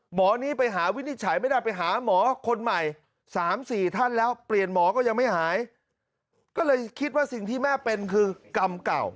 หมอนี้ไปหาวินิจฉัยไม่ได้ไปหาหมอคนใหม่